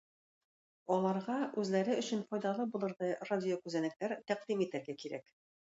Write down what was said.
Аларга үзләре өчен файдалы булырдай радиокүзәнәкләр тәкъдим итәргә кирәк.